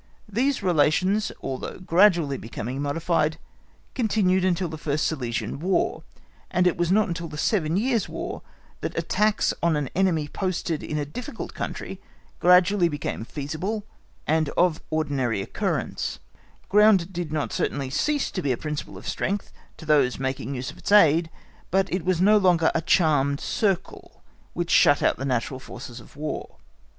These relations although gradually becoming modified, continued until the first Silesian War, and it was not until the Seven Years' War that attacks on an enemy posted in a difficult country gradually became feasible, and of ordinary occurrence: ground did not certainly cease to be a principle of strength to those making use of its aid, but it was no longer a charmed circle, which shut out the natural forces of War.